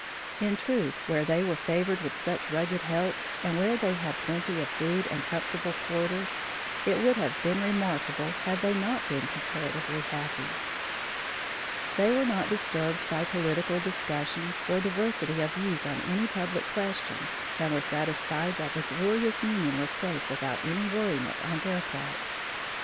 In truth where they were favored with such rugged health and where they had plenty of food and comfortable quarters, it would have been remarkable had they not been comparatively happy. They were not disturbed by political discussions or diversity of views on any public questions and were satisfied that the glorious Union was safe without any worriment on their part.